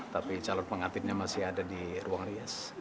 tapi calon pengantinnya masih ada di ruang rias